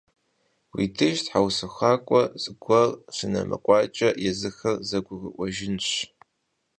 Уи деж тхьэусыхакӏуэ зыгуэр ныщымыкӏуакӏэ, езыхэр зэгурыӏуэжынщ.